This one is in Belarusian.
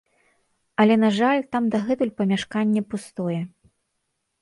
Але на жаль, там дагэтуль памяшканне пустое.